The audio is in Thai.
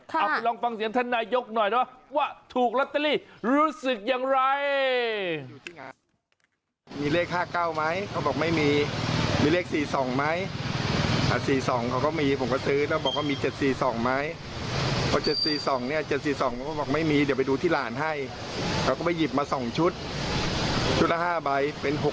เอาไปลองฟังเสียงท่านนายกหน่อยเนอะว่าถูกลอตเตอรี่รู้สึกอย่างไร